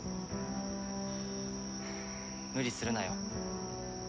無理するなよ。